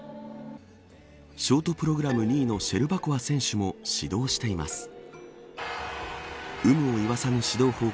ショートプログラム２位のシェルバコワ選手も指導しています。